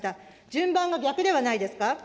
順番が逆ではないですか。